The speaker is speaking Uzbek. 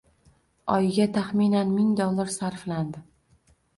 Oyiga taxminan ming dollar sarflandi.